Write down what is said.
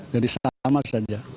jadi sama saja